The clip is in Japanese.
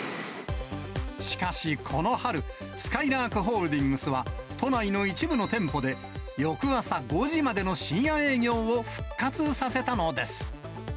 しかし、この春、すかいらーくホールディングスは、都内の一部の店舗で、翌朝５時までの深夜営業を復活させたのです。